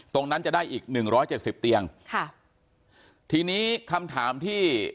ตรงนั้นจะได้อีกหนึ่งร้อยเจ็ดสิบเตียงค่ะทีนี้คำถามที่